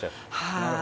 なるほど。